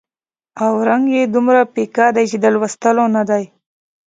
او رنګ یې دومره پیکه دی چې د لوستلو نه دی.